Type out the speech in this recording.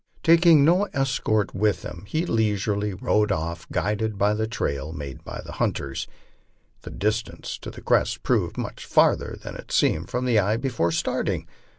Taking no escort with him, he leisurely rode off, guided by the trail made by the hunters. The distance to the crest proved much further than it had seemed to the eye before starting.